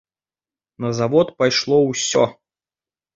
На звод пайшло ўсё.